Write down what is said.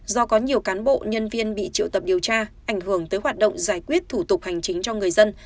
do có nhiều cán bộ nhân viên bị triệu tập điều tra ảnh hưởng tới hoạt động giải quyết thủ tục hành chính cho người dân